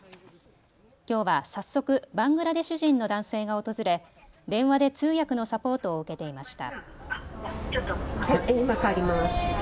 きょうは早速、バングラデシュ人の男性が訪れ電話で通訳のサポートを受けていました。